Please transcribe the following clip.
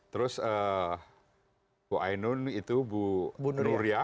terus ibu ainu itu ibu nuria